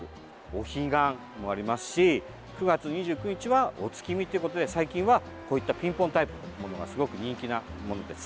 お彼岸もありますし９月２９日はお月見ということで最近はこういったピンポンタイプのものがすごく人気なものです。